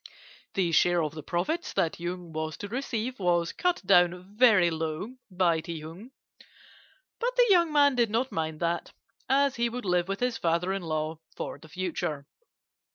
The share of the profits that Yung was to receive was cut down very low by Ti Hung, but the young man did not mind that, as he would live with his father in law for the future.